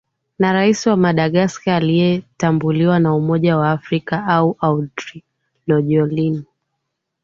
na rais wa madagascar asiyetambuliwa na umoja wa afrika au andri lajolin